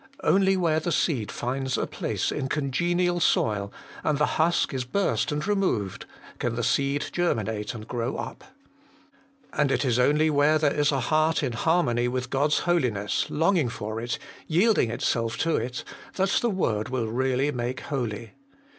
Only where the seed finds a place in congenial soil, and the husk is burst and removed, can the seed germi nate and grow up. And it is only where there is a heart in harmony with God's Holiness, longing for it, yielding itself to it, that the word will really make holy.